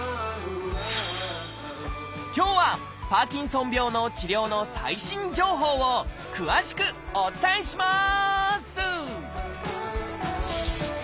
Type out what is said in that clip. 今日はパーキンソン病の治療の最新情報を詳しくお伝えします！